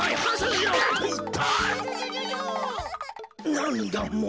なんだもう。